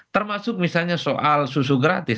termasuk misalnya soal susu gratis